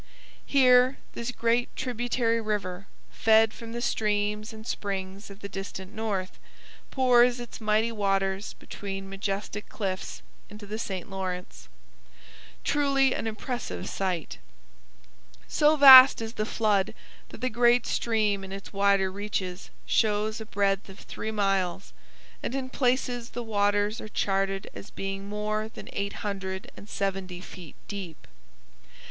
Here this great tributary river, fed from the streams and springs of the distant north, pours its mighty waters between majestic cliffs into the St Lawrence truly an impressive sight. So vast is the flood that the great stream in its wider reaches shows a breadth of three miles, and in places the waters are charted as being more than eight hundred and seventy feet deep.